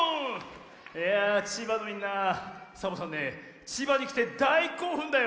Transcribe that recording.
いやあ千葉のみんなサボさんね千葉にきてだいこうふんだよ！